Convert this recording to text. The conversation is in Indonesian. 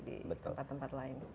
di tempat tempat lain